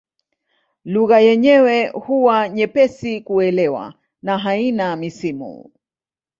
Lugha yenyewe huwa nyepesi kuelewa na haina misimu.